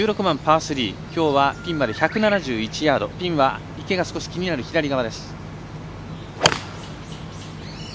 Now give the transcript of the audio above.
パー３、ピンまで１７１ヤードピンは池が少し気になる右側。